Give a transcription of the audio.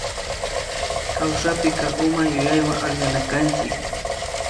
Kawsapika uma yuyaywa akllanakanchik